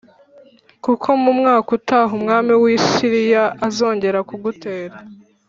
kuko mu mwaka utaha umwami w’i Siriya azongera kugutera”